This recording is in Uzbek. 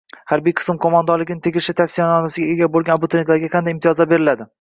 Harbiy qism qo‘mondonligining tegishli tavsiyanomasiga ega bo‘lgan abituriyentlarga qanday imtiyozlar beriladi?